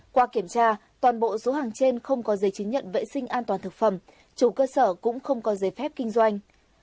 qua kiểm tra toàn bộ số hàng trên không có giấy chứng nhận vệ sinh an toàn thực phẩm chủ cơ sở cũng không có giấy phép kinh doanh